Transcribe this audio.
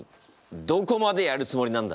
どこまでやるつもりなんだ？